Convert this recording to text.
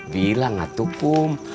bilang atuh kum